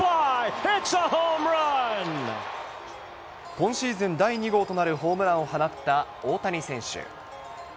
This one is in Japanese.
今シーズン第２号となるホームランを放った大谷選手。